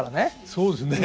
そうですね。